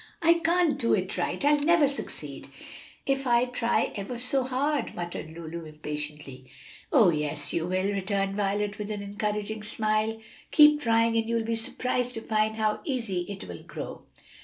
"I can't do it right! I'll never succeed, if I try ever so hard!" muttered Lulu, impatiently. "Oh, yes, you will," returned Violet with an encouraging smile. "Keep trying, and you will be surprised to find how easy it will grow."